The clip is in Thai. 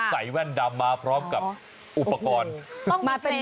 แว่นดำมาพร้อมกับอุปกรณ์